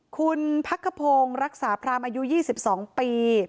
คุณพักขพงศ์รักษาพรามอายุ๒๒ปี